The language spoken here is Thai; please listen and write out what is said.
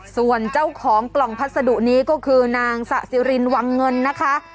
ส่วนเจ้าของกล่องพัสดุนี้ก็คือนางสะสิรินวังเงินนะคะ